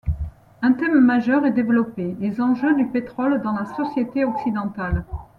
Un thème majeur est développé, les enjeux du pétrole dans la société occidentale.